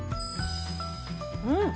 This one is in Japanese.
うん！